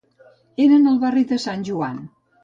Era en el barri de Sant Joan.